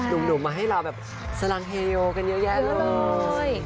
หนุ่มมาให้เราแบบสลังเฮลกันเยอะแยะเลย